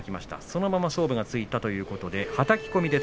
そのまま勝負がついたということで、はたき込みで